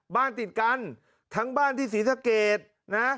บ้านติดกันทั้งบ้านที่ศรีสะเกดนะ